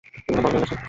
তুমি না বড় হয়ে গেছ!